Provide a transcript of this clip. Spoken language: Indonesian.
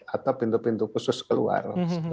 atau pintu pintu khusus keluar